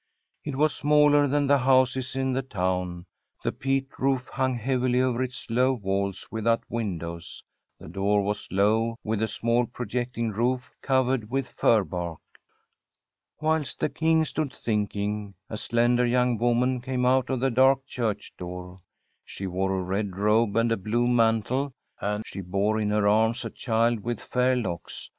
It was smaller than the houses in the town; the peat roof hung heavily over its low walls without windows ; the door was low, with a small projecting roof covered with fir bark. Whilst the King stood thinking, a slender young woman came out of the dark church door. She wore a red robe and a blue mantle, and she bore in her arms a child with fair locks.